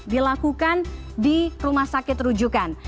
dilakukan di rumah sakit rujukan